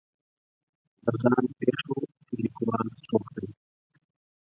د ځان پېښو لیکوال څوک دی